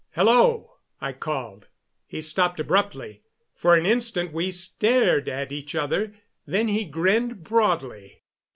"Hello!" I called. He stopped abruptly. For an instant we stared at each other; then he grinned broadly.